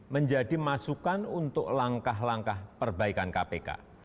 menjadi masukan untuk langkah langkah perbaikan kpk